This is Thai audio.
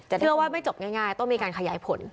แต่เชื่อว่าไม่จบง่ายต้องมีการขยายผล